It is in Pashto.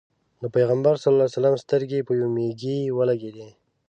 د پېغمبر سترګې په یوې مېږې ولګېدې.